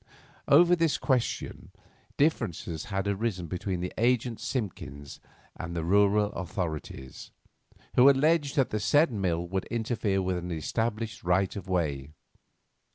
Over this question differences had arisen between the agent Simpkins and the rural authorities, who alleged that the said mill would interfere with an established right of way.